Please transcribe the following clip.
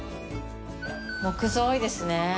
木造、多いですね。